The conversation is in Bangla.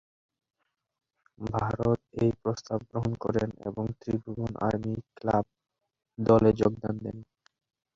ভরত এই প্রস্তাব গ্রহণ করেন এবং ত্রিভুবন আর্মি ক্লাব দলে যোগ দেন।